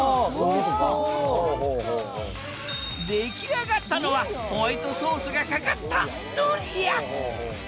出来上がったのはホワイトソースがかかったドリア！